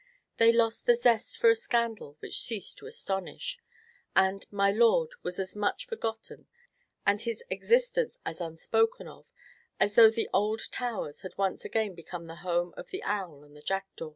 They lost the zest for a scandal which ceased to astonish, and "my lord" was as much forgotten, and his existence as unspoken of, as though the old towers had once again become the home of the owl and the jackdaw.